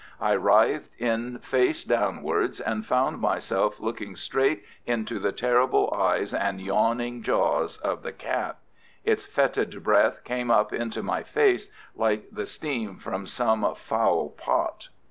I writhed in face downwards, and found myself looking straight into the terrible eyes and yawning jaws of the cat. Its fetid breath came up into my face like the steam from some foul pot.